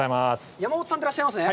山本さんでいらっしゃいますね。